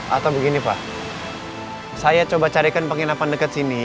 atau begini pak saya coba carikan penginapan dekat sini